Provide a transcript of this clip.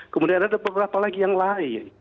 kemudian ada beberapa lagi yang lain